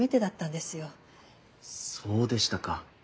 そうでしたか。